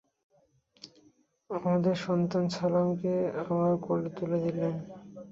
আমাদের সন্তান সালামাকে আমার কোলে তুলে দিলেন।